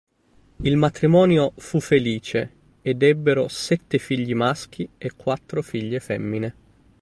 Il matrimonio fu felice ed ebbero sette figli maschi e quattro figlie femmine.